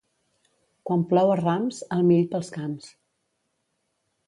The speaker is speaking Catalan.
Quan plou a rams, el mill pels camps.